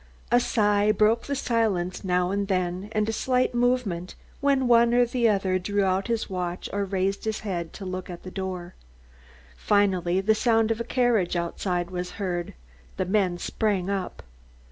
A sigh broke the silence now and then, and a slight movement when one or the other drew out his watch or raised his head to look at the door. Finally, the sound of a carriage outside was heard. The men sprang up.